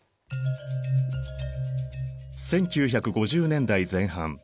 １９５０年代前半